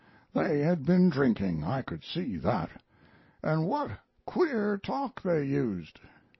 They had been drinking, I could see that. And what queer talk they used!